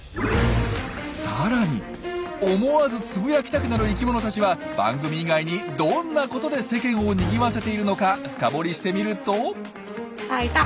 さらに思わずつぶやきたくなる生きものたちは番組以外にどんなことで世間をにぎわせているのか深掘りしてみると。